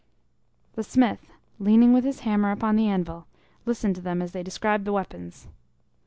The smith, leaning with his hammer upon the anvil, listened to them as they described the weapons.